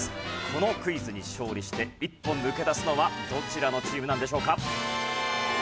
このクイズに勝利して一歩抜け出すのはどちらのチームなんでしょうか？